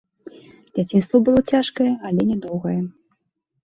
Дзяцінства было цяжкое, але нядоўгае.